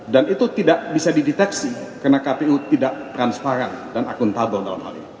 dan itu tidak bisa dideteksi karena kpu tidak transparan dan akuntabel dalam hal ini